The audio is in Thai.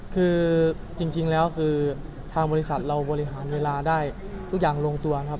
คือจริงแล้วคือทางบริษัทเราบริหารเวลาได้ทุกอย่างลงตัวนะครับ